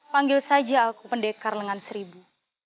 panggil saja aku pendekar lengan seribu